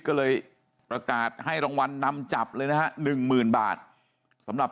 ก็เลยประกาศให้รางวัลนำจับเลยนะฮะหนึ่งหมื่นบาทสำหรับ